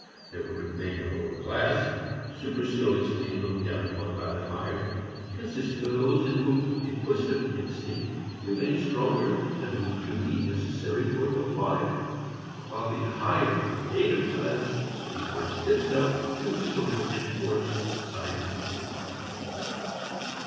There would remain a lower class, superciliously looked down upon by the higher, consisting of those in whom the acquisitive instinct remains stronger and who do the necessary work of life, while the higher "creative" class devotes itself to social intercourse, science and art.